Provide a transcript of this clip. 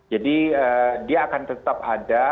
jadi dia akan tetap ada